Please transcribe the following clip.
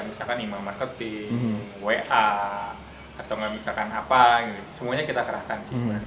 misalkan email marketing wa atau nggak misalkan apa semuanya kita kerahkan